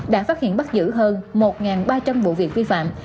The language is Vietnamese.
đã phát hiện bắt giữ hơn một ba trăm linh vụ việc vi phạm